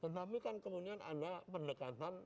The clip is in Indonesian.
tetapi kan kemudian ada pendekatan